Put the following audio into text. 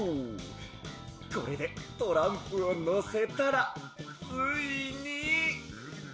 これでトランプをのせたらついに。